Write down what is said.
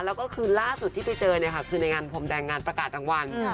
แล้วก็คือล่าสุดที่ไปเจอคือในงานพรมแดงงานประกาศลังวัน